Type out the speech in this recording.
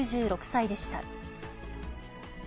９６歳でした。